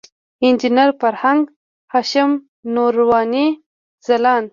انجینر فرهنګ، هاشم نوراني، ځلاند.